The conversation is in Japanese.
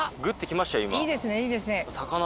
いいですねいいですね。